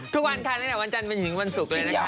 ทุกวันค่ะนี้แหละวันจันทร์วันหญิงวันสุกเลยนะคะ